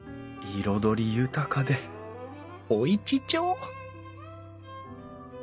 彩り豊かでおいちちょう！